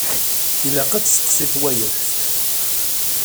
Ilaq ad testeqsiḍ wayeḍ.